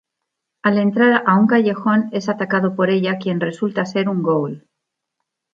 Al entrar a un callejón es atacado por ella, quien resulta ser un Ghoul.